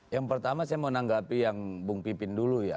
yang pertama saya mau menanggapi yang bung pipin dulu ya